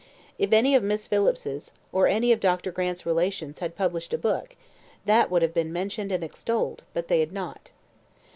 If any of Miss Phillips's, or any of Dr. Grant's relations had published a book, that would have been mentioned and extolled, but they had not.